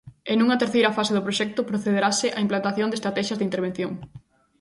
E nunha terceira fase do proxecto procederase á implantación de estratexias de intervención.